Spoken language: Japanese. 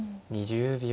２０秒。